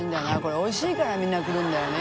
海おいしいからみんな来るんだよね。